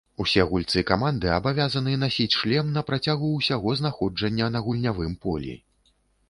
Усе гульцы каманды абавязаны насіць шлем на працягу ўсяго знаходжання на гульнявым полі.